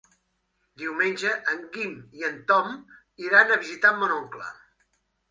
Diumenge en Guim i en Tom iran a visitar mon oncle.